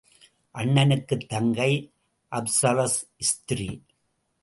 அண்ணனுக்குத் தங்கை அபஸரஸ் ஸ்திரீ.